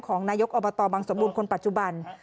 นายกอบตบังสมบูรณ์คนปัจจุบัน